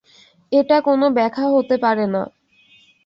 এটা কোনো ব্যাখ্যা হতে পারে না।